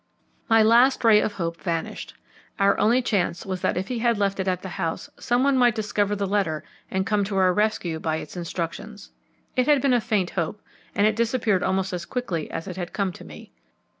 My last ray of hope vanished. Our only chance was that if he had left it at the house some one might discover the letter and come to our rescue by its instructions. It had been a faint hope, and it disappeared almost as quickly as it had come to me.